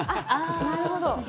なるほど。